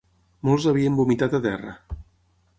Molts havien vomitat a terra